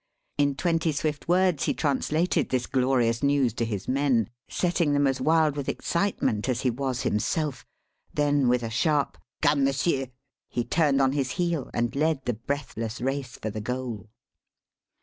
In twenty swift words he translated this glorious news to his men setting them as wild with excitement as he was himself then with a sharp, "Come, m'sieur!" he turned on his heel and led the breathless race for the goal.